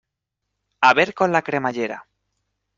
a ver con la cremallera.